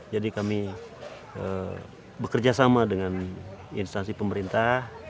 jadi kami bekerja sama dengan instansi pemerintah